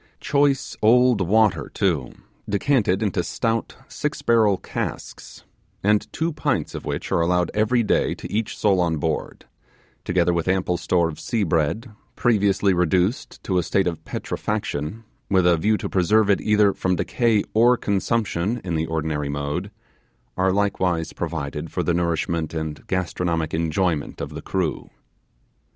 Choice old water too, decanted into stout six barrel casks, and two pints of which is allowed every day to each soul on board; together with ample store of sea bread, previously reduced to a state of petrifaction, with a view to preserve it either from decay or consumption in the ordinary mode, are likewise provided for the nourishment and gastronomic enjoyment of the crew.